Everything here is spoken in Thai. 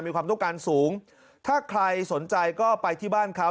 มีความต้องการสูงถ้าใครสนใจก็ไปที่บ้านเขา